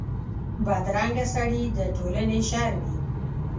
بدرنګه سړي د ټولنې شر وي